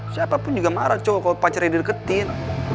siapapun juga marah cuge kalo pacarnya dideketin